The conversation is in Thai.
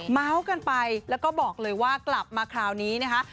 เมาส์กันไปแล้วก็บอกเลยว่ากลับมาคราวนี้นะคะ